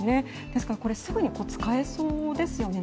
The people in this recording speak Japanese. ですからこれ、すぐに使えそうですよね。